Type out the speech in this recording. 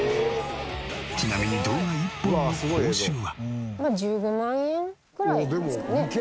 ちなみにまあ１５万円くらいですかね。